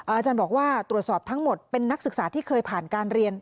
อาจารย์บอกว่าตรวจสอบทั้งหมดเป็นนักศึกษาที่เคยผ่านการเรียน